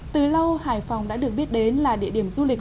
từ lâu hải phòng đã được biết đến là địa điểm du lịch